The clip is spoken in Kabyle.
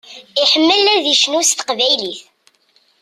Iḥemmel ad icnu s teqbaylit.